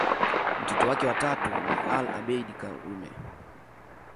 Mtoto wake wa tatu ni Ali Abeid Karume